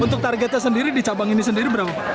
untuk targetnya sendiri di cabang ini sendiri berapa pak